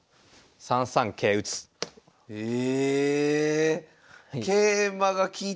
３三桂打。ええ！